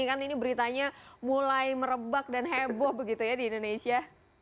kan ini beritanya mulai merebak dan heboh begitu ya di indonesia